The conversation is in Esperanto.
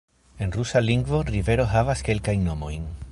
En rusa lingvo rivero havas kelkajn nomojn.